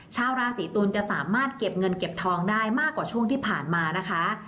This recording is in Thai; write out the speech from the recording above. ชาวราศีตุลจะสามารถเก็บเงินเก็บทองได้มากกว่าช่วงที่ผ่านมานะคะ